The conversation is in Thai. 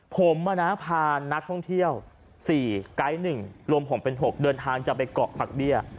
ผมพานักท่องเที่ยว๔ไกด์๑รวมผมเป็น๖เดินทางจะไปเกาะผักเบี้ย